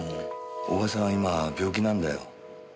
叔母さんは今病気なんだよ。